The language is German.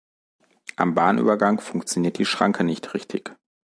Am Bahnübergang funktioniert die Schranke nicht richtig.